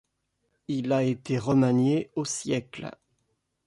Il a été remanié au siècle.